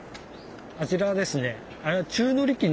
あちらはですね